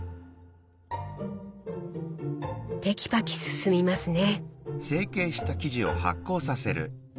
テキパキ進みますね。